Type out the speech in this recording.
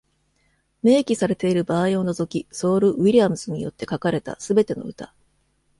明記されている場合を除き、ソウル・ウィリアムズによって書かれたすべての歌。